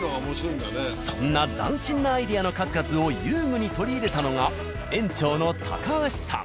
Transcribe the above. そんな斬新なアイデアの数々を遊具に取り入れたのが園長の橋さん。